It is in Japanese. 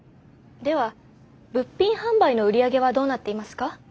では物品販売の売り上げはどうなっていますか？